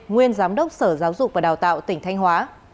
nguyên giám đốc sở giáo dục và đào tạo tỉnh thanh hóa